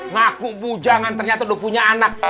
ngaku bujangan ternyata udah punya anak